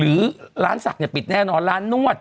หรือร้านศักดิ์ปิดแน่นอนร้านนวด